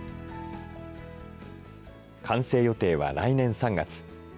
完成予定は来年３月。